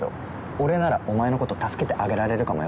俺ならお前の事助けてあげられるかもよ。